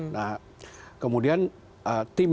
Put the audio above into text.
nah kemudian tim